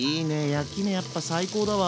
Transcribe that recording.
焼き目やっぱ最高だわ。